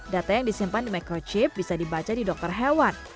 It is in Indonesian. data yang disimpan di microchip bisa dibaca di dokter hewan